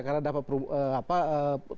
karena dapat perumahan